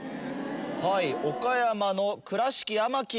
はい岡山の倉敷天城